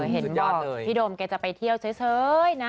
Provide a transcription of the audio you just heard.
เห็นว่าพี่โดมแกจะไปเที่ยวเฉยนะ